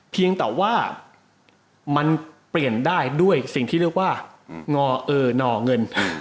เพียงแต่ว่ามันเปลี่ยนได้ด้วยสิ่งที่เรียกว่างอเออนอเงิน